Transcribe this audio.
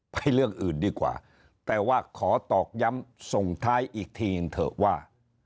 เรื่องอื่นดีกว่าแต่ว่าขอตอกย้ำส่งท้ายอีกทีหนึ่งเถอะว่า